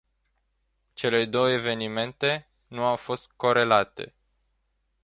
Cele două evenimente nu au fost corelate.